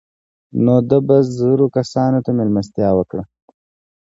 نو ده به زرو کسانو ته مېلمستیا وکړه.